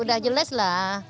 ya sudah jelaslah